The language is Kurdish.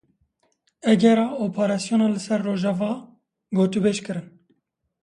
Egera operasyona li ser Rojava gotûbêj kirin.